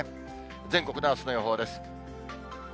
全国のあすの予報です。